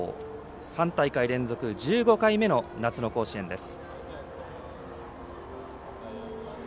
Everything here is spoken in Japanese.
３大会連続１５回目の夏の甲子園です。